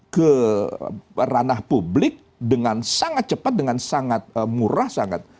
ke ranah publik dengan sangat cepat dengan sangat murah sangat